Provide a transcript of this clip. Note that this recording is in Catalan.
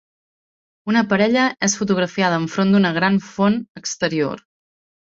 Una parella és fotografiada enfront d'una gran font exterior.